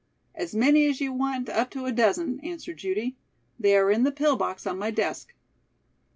"As many as you want up to a dozen," answered Judy. "They are in the pill box on my desk."